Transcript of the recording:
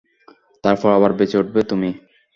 তারপরেই আবার বেঁচে উঠবে তুমি।